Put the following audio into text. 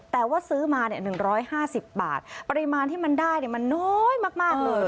แต่ว่าซื้อมา๑๕๐บาทปริมาณที่มันได้มันน้อยมากเลย